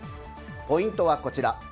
ポイントはこちら。